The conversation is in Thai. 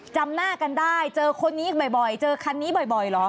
จำหน้ากันได้เจอคนนี้บ่อยเจอคันนี้บ่อยเหรอ